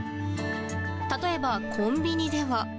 例えばコンビニでは。